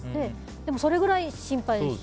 でも、それぐらい心配でした。